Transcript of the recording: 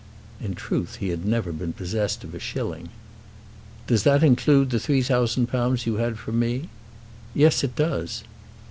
In truth he had never been possessed of a shilling. "Does that include the £3000 you had from me?" "Yes; it does."